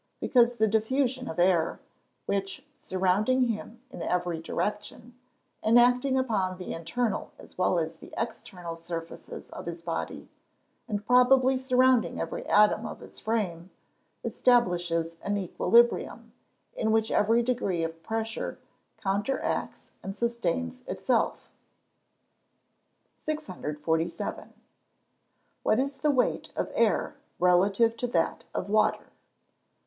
_ Because the diffusion of air which, surrounding him in every direction, and acting upon the internal as well as the external surfaces of his body, and probably surrounding every atom of his frame, establishes an equilibrium, in which every degree of pressure counteracts and sustains itself. 647. _What is the weight of air relative to that of water?